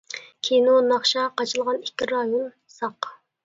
كىنو، ناخشا قاچىلىغان ئىككى رايون ساق.